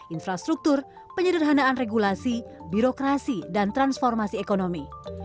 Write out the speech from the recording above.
infrastruktur penyederhanaan regulasi birokrasi dan transformasi ekonomi